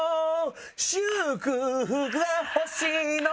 「祝福が欲しいのなら」